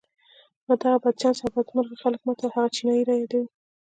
دغه بدچانسه او بدمرغه خلک ما ته هغه چينايي را يادوي.